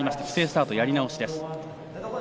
不正スタートやり直しです。